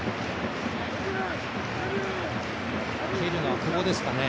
蹴るのは久保ですかね。